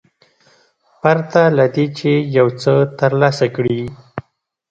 پرته له دې چې یو څه ترلاسه کړي.